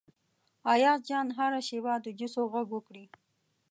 ایاز جان هره شیبه د جوسو غږ وکړي.